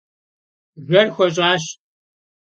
Bjjer xueş'aş.